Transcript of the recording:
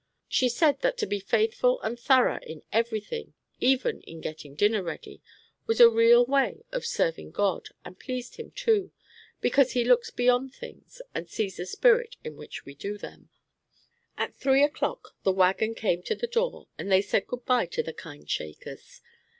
She said that to be faithful and thorough in every thing, even in getting dinner ready, was a real way of serving God, and pleased Him too, because He looks beyond things, and sees the spirit in which we do them. At three o'clock the wagon came to the door, and they said good by to the kind Shakers.